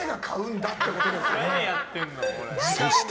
そして。